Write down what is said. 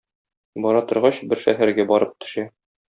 Бара торгач, бер шәһәргә барып төшә.